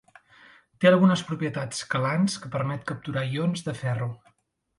Té algunes propietats quelants que permet capturar ions de ferro.